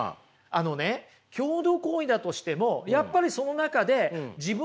あのね共同行為だとしてもやっぱりその中で自分のね